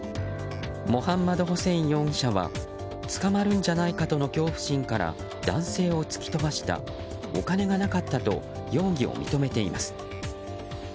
モハンマドホセイン容疑者は捕まるんじゃないかとの恐怖心から男性を突き飛ばしたお金がなかったと容疑を認めています。